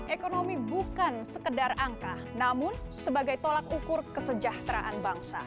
ekonomi bukan sekedar angka namun sebagai tolak ukur kesejahteraan bangsa